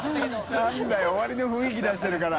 燭世終わりの雰囲気出してるから。